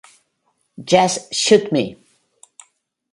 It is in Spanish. Just Shoot Me!